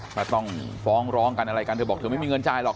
ถ้าต้องฟ้องร้องกันอะไรกันเธอบอกเธอไม่มีเงินจ่ายหรอก